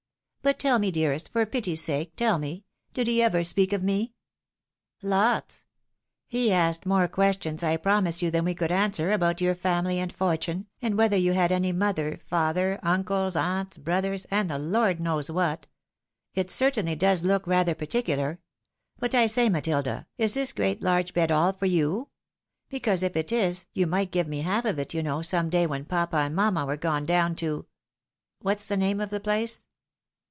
But tell me, dearest, for pity's sake, tell me, did he ever speak of me ?"" Lots. He asked more questions, I promise you, than we could answer, about your family and fortune, and whether you had any mother, father, uncles, aunts, brothers, and the Lord knows what. It certainly does look rather particular. But I say, Matilda, is this great large bed all for you? Because if it is, you might give me half of it, you kno *, some day when papa and mamma were gone down to what's the name of the place